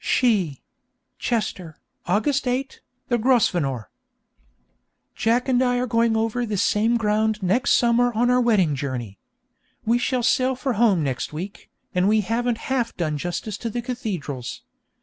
"' She Chester, August 8, The Grosvenor. Jack and I are going over this same ground next summer on our wedding journey. We shall sail for home next week, and we haven't half done justice to the cathedrals.